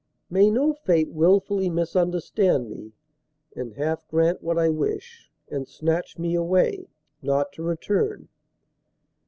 May no fate willfully misunderstand me And half grant what I wish and snatch me away Not to return.